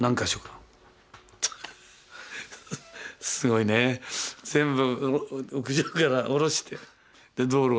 すごいね全部屋上から下ろして道路に置いて。